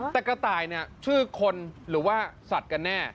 แต่กระต่ายเนี่ยชื่อคนหรือว่าสัตว์กันแน่